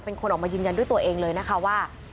เป็นคนออกมายืนยันด้วยตัวเองเลยนะคะว่า